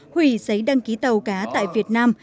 hủy giấy đăng ký tàu cá tại việt nam